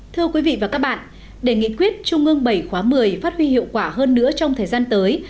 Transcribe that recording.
thưa quý vị và các bạn để nghị quyết trung ương bảy khóa một mươi phát huy hiệu quả hơn nữa trong thời gian tới